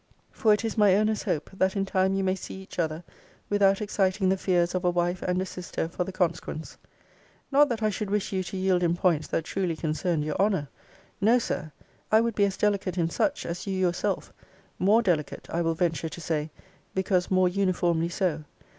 for it is my earnest hope, that in time you may see each other, without exciting the fears of a wife and a sister for the consequence. Not that I should wish you to yield in points that truly concerned your honour: no, Sir; I would be as delicate in such, as you yourself: more delicate, I will venture to say, because more uniformly so.